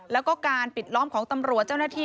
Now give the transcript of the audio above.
แล้วก็การปิดล้อมของตำรวจเจ้าหน้าที่